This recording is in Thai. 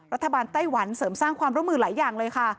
ไต้หวันเสริมสร้างความร่วมมือหลายอย่างเลยค่ะ